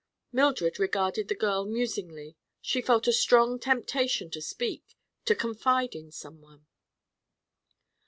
Mildred regarded the girl musingly. She felt a strong temptation to speak, to confide in some one.